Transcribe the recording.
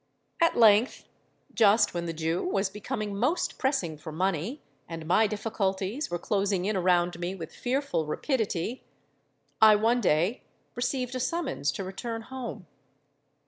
"At length—just when the Jew was becoming most pressing for money, and my difficulties were closing in around me with fearful rapidity—I one day received a summons to return home.